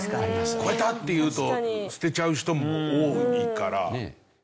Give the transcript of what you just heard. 越えたっていうと捨てちゃう人も多いから。